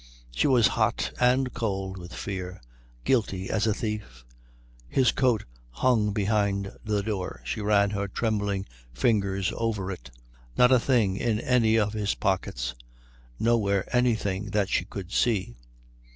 She was hot and cold with fear; guilty as a thief. His coat hung behind the door. She ran her trembling fingers over it. Not a thing in any of his pockets. Nowhere anything that she could see.